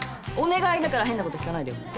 お願いだから変なこと聞かないでよ。